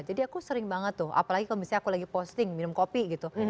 jadi aku sering banget tuh apalagi kalau misalnya aku lagi posting minum kopi gitu